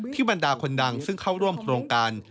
บรรดาคนดังซึ่งเข้าร่วมโครงการ